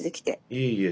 いえいえ。